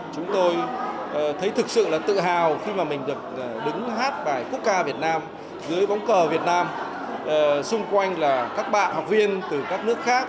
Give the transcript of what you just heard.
chúng tôi thấy thực sự là tự hào khi mà mình được đứng hát bài quốc ca việt nam dưới bóng cờ việt nam xung quanh là các bạn học viên từ các nước khác